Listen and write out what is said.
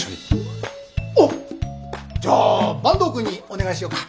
おっじゃあ坂東くんにお願いしようか。